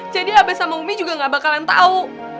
jadi abes sama umi juga nggak bakalan tau